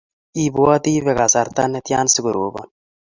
ibwati ibe kasarta netian siko robon